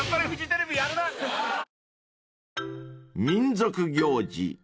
［民俗行事